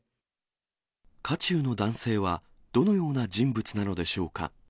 渦中の男性はどのような人物なのでしょうか。